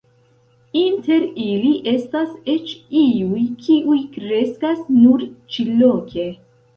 Inter ili estas eĉ iuj, kiuj kreskas nur ĉi-loke.